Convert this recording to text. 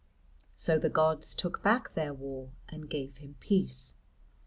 So the gods took back their war and gave him peace.